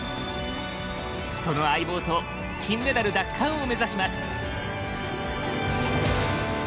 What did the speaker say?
その相棒と金メダル奪還を目指します！